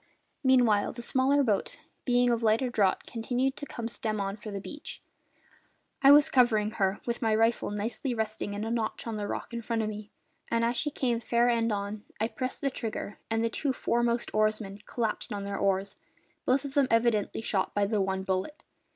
Meanwhile, the smaller boat, being of lighter draught, continued to come stem on for the beach. I was covering her, with my rifle nicely resting in a notch of the rock in front of me, and as she came fair end on I pressed the trigger, and the two foremost oarsmen collapsed on their oars, both of them evidently shot by the one bullet.